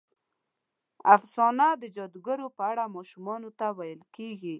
افسانه د جادوګرو په اړه ماشومانو ته ویل کېږي.